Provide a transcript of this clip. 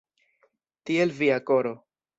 Tiel via koro!